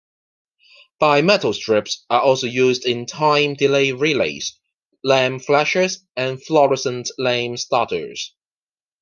Bimetal strips are also used in time-delay relays, lamp flashers, and fluorescent lamp starters.